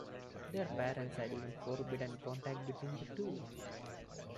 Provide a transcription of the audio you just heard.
Their parents had even forbidden contact between the two.